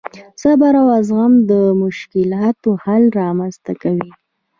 صبر او زغم د مشکلاتو حل رامنځته کوي.